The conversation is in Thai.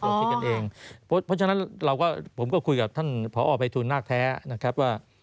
เพราะฉะนั้นเราก็คุยกับท่านพอภัยทูลน่ากแล้วสมัยแท้นะครับ